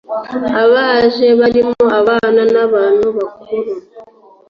Abaje barimo abana n’abantu bakuru